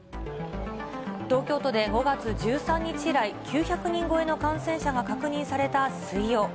東京都で５月１３日以来、９００人超えの感染者が確認された水曜。